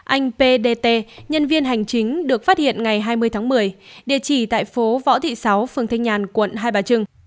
anh pdt nhân viên hành chính được phát hiện ngày hai mươi tháng một mươi địa chỉ tại phố võ thị sáu phường thanh nhàn quận hai bà trưng